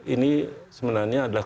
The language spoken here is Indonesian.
ini sebenarnya adalah